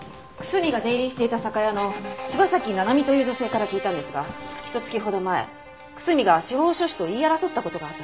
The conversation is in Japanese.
楠見が出入りしていた酒屋の柴崎奈々美という女性から聞いたんですがひと月ほど前楠見が司法書士と言い争った事があったそうです。